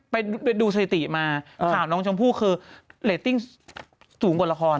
ไปดูสถิติมาข่าวน้องชมพู่คือเรตติ้งสูงกว่าละคร